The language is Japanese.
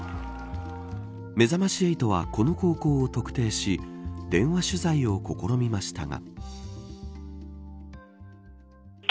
めざまし８は、この高校を特定し電話取材を試みましたが。